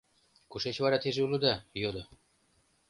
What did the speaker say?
— Кушеч вара теже улыда? — йодо.